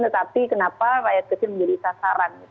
tetapi kenapa rakyat kecil menjadi sasaran